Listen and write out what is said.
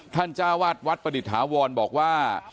จ้าวาดวัดประดิษฐาวรบอกว่า